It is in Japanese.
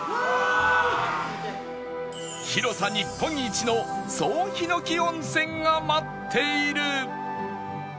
広さ日本一の総ヒノキ温泉が待っている！